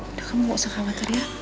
udah kamu gak usah khawatir ya